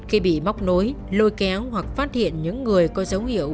kéo hoặc phát hiện những người có dấu hiệu